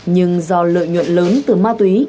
nhưng do lợi nhuận lớn từ ma túy